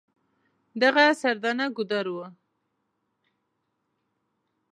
دغه سردنه ګودر و.